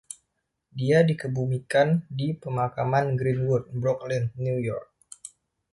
Dia dikebumikan di Pemakaman Green-Wood, Brooklyn, New York.